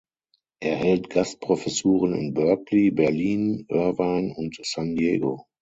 Er hält Gastprofessuren in Berkeley, Berlin, Irvine und San Diego.